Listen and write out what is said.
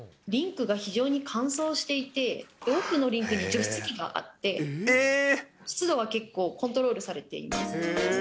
リンクが非常に乾燥していて、多くのリンクに除湿器があって、湿度は結構コントロールされています。